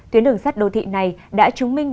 tuyến đường sát đô thị này đã chứng minh